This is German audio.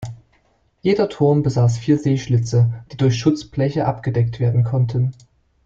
Jeder Turm besaß vier Sehschlitze, die durch Schutzbleche abgedeckt werden konnten.